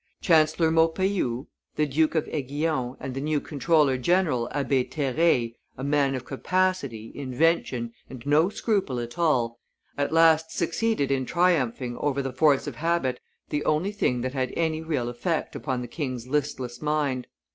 Chancellor Maupeou, the Duke of Aiguillou, and the new comptroller general, Abbe Terray, a man of capacity, invention, and no scruple at all, at last succeeded in triumphing over the force of habit, the only thing that had any real effect upon the king's listless mind.